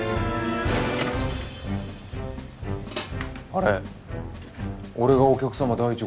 あれ俺がお客様第１号？